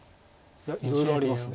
いやいろいろあります